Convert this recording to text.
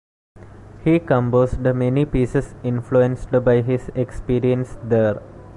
He composed many pieces influenced by his experience there.